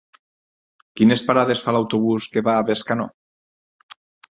Quines parades fa l'autobús que va a Bescanó?